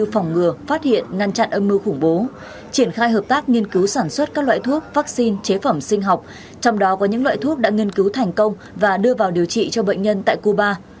phòng ngừa phát hiện ngăn chặn âm mưu khủng bố triển khai hợp tác nghiên cứu sản xuất các loại thuốc vaccine chế phẩm sinh học trong đó có những loại thuốc đã nghiên cứu thành công và đưa vào điều trị cho bệnh nhân tại cuba